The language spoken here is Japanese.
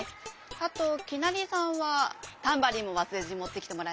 あときなりさんはタンバリンもわすれずにもってきてもらえますか？